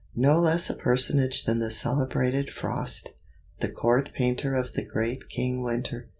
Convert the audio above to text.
No less a personage than the celebrated Frost, the court painter of the great King Winter.